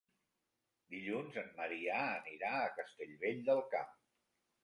Dilluns en Maria anirà a Castellvell del Camp.